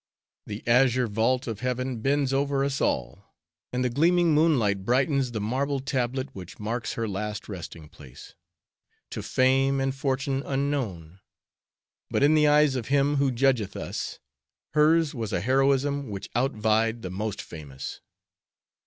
The azure vault of heaven bends over us all, and the gleaming moonlight brightens the marble tablet which marks her last resting place, "to fame and fortune unknown," but in the eyes of Him who judgeth us, hers was a heroism which outvied the most famous.